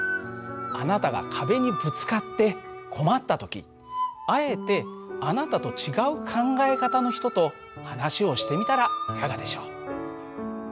あなたが壁にぶつかって困った時あえてあなたと違う考え方の人と話をしてみたらいかがでしょう？